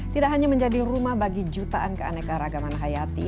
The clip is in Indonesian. tidak hanya menjadi rumah bagi jutaan keaneka ragaman hayati